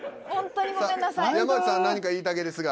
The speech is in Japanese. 山内さん何か言いたげですが。